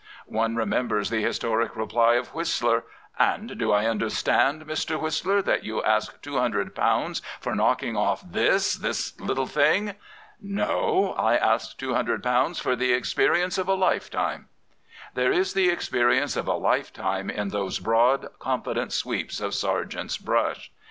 One remembers the historic reply of Whistler, And do I understand, Mr. Whistler, that you ask £200 for knocking off this — this little thing?" "No, I ask £200 for the experience of a lifetime." There is the experience of a lifetime in those broad, confident sweeps of Sargent's brush.